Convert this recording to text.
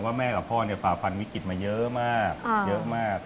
ว่าแม่กับพ่อฝาพันวิกฤตมาเยอะมาก